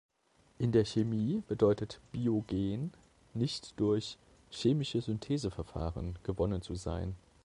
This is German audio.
In der Chemie bedeutet biogen, nicht durch "chemische Syntheseverfahren" gewonnen zu sein.